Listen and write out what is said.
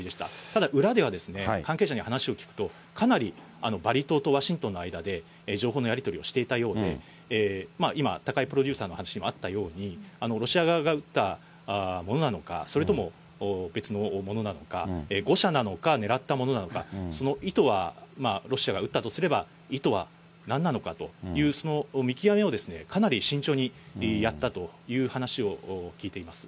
ただ裏では、関係者に話を聞くと、かなりバリ島とワシントンの間で情報のやり取りをしていたようで、今、高井プロデューサーの話にもあったとおり、ロシア側が撃ったものなのか、それとも別のものなのか、誤射なのか狙ったものなのか、その意図は、ロシアが撃ったとすれば、意図はなんなのかという、その見極めをかなり慎重にやったという話を聞いています。